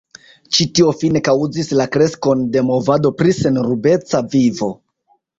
Ĉi tio fine kaŭzis la kreskon de movado pri senrubeca vivo.